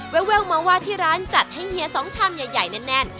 แววมาว่าที่ร้านจัดให้เฮีย๒ชามใหญ่แน่น